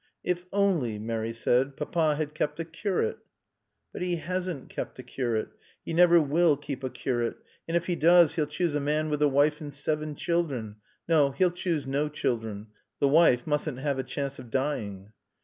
"If only," Mary said, "Papa had kept a curate." "But he hasn't kept a curate. He never will keep a curate. And if he does he'll choose a man with a wife and seven children no, he'll choose no children. The wife mustn't have a chance of dying."